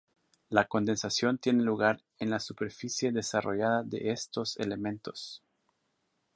La condensación tiene lugar en la superficie desarrollada de estos elementos.